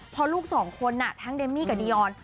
พอลูกสองคนทั้งเดมมี่กับดีออน